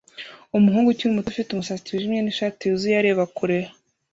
Umuhungu ukiri muto ufite umusatsi wijimye nishati yuzuye areba kure